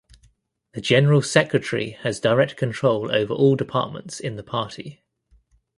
The General Secretary has direct control over all departments in the party.